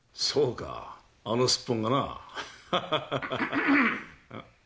そうかあのスッポンがな。